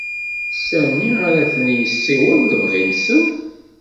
Sani ara ten-yessiweḍ lebɣi-nsen?